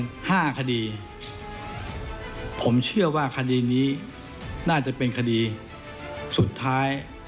ห้าคดีผมเชื่อว่าคดีนี้น่าจะเป็นคดีสุดท้าย